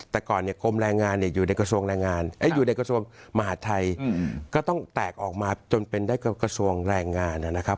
แต่ก่อนกรมแรงงานอยู่ในกระทรวงมหาธัยก็ต้องแตกออกมาจนเป็นกระทรวงแรงงาน